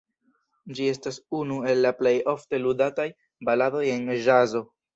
Ĝi estas unu el la plej ofte ludataj baladoj en ĵazo.